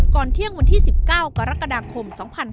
เที่ยงวันที่๑๙กรกฎาคม๒๕๕๙